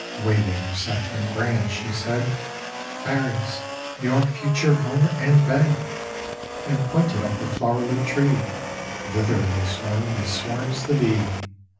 Waving her saffron brand, she said: 'Fairies! your future home and bed!' And pointed up the flower lit tree, Thither they swarmed as swarms the bee!